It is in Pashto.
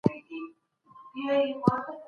زه شاید په راتلونکي کي یو نوی سیسټم اختراع کړم.